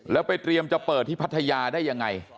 แล้วไปเตรียมจะเปิดที่พัทยาได้ยังไง